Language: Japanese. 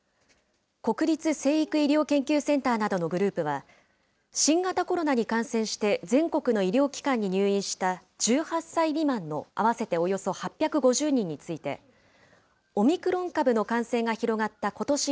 国立成育医療研究センターなどのグループは、新型コロナに感染して全国の医療機関に入院した１８歳未満の合わせておよそ８５０人について、オミクロン株の感染が広がったことし